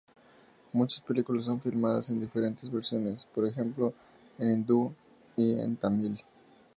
Muchas películas son filmadas en diferentes versiones, por ejemplo en hindú y en tamil.